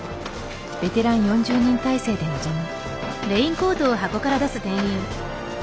ベテラン４０人態勢で臨む。